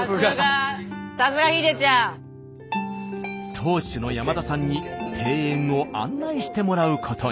当主の山田さんに庭園を案内してもらうことに。